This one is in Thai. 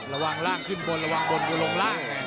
ร่างล่างขึ้นบนระวังบนคือลงล่าง